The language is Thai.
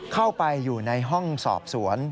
เข้าไปอยู่ในห้องสอบสวน